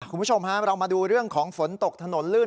คุณผู้ชมครับเรามาดูเรื่องของฝนตกถนนลื่น